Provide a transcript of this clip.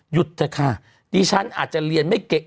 เถอะค่ะดิฉันอาจจะเรียนไม่เก่ง